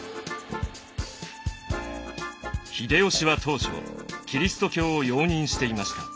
秀吉は当初キリスト教を容認していました。